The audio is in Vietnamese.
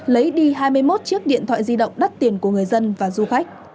lấy đi hai mươi một chiếc điện thoại di động đắt tiền của người dân và du khách